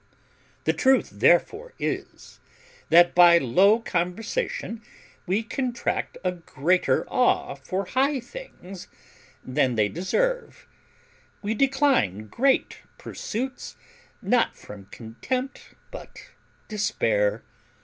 The truth therefore is, that by low conversation we contract a greater awe for high things than they deserve. We decline great pursuits not from contempt but despair.